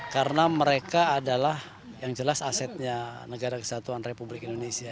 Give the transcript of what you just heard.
karena mereka adalah yang jelas asetnya negara kesatuan republik indonesia